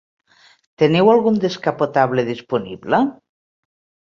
Teniu algun descapotable disponible?